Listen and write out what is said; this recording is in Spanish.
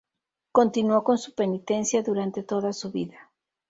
Continuó con su penitencia durante toda su vida.